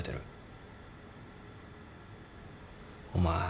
お前